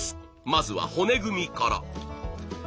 まずは骨組みから。